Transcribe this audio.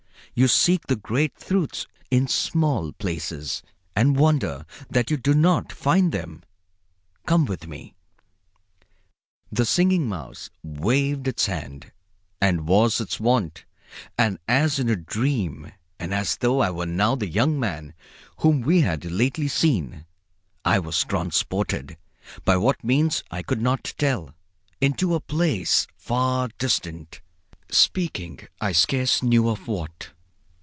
You seek the great truths in small places, and wonder that you do not find them. Come with me." The Singing Mouse waved its hand, as was its wont, and as in a dream and as though I were now the young man whom we had lately seen, I was transported, by what means I could not tell, into a place far distant. At first it seemed to me there was a figure in vestments, speaking I scarce knew of what.